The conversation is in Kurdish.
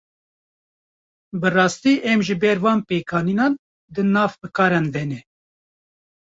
Bi rastî em ji ber van pêkanînan, di nava fikaran de ne